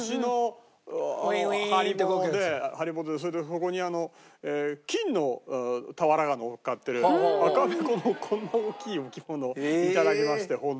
そこに金の俵がのっかってる赤べこのこんな大きい置物を頂きまして。